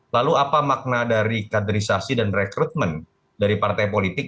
lalu apa makna dari kaderisasi dan rekrutmen dari partai politik